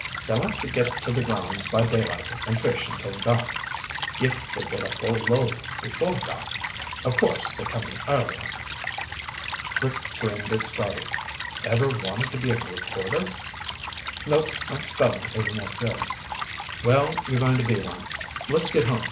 They like to get to the grounds by daylight and fish until dark. If they get a full load before dark, of course they come in earlier." Rick grinned at Scotty. "Ever wanted to be a reporter?" "Nope. My spelling isn't that good." "Well, you're going to be one. Let's get home.